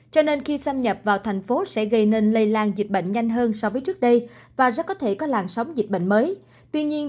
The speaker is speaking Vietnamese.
cho nên khi xâm nhập vào thành phố sẽ gây nên lây lan dịch bệnh nhanh hơn so với trước đây và rất có thể có làn sóng dịch bệnh mới